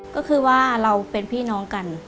ก็คือว่าเราเป็นพี่น้องกัน